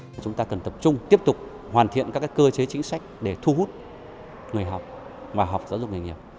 thì chúng ta cần tập trung tiếp tục hoàn thiện các cơ chế chính sách để thu hút người học và học giáo dục nghề nghiệp